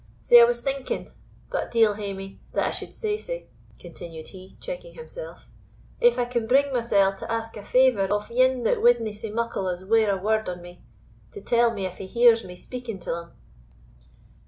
Sae I was thinking but deil hae me, that I should say sae," continued he, checking himself, "if I can bring mysell to ask a favour of ane that winna sae muckle as ware a word on me, to tell me if he hears me speaking till him."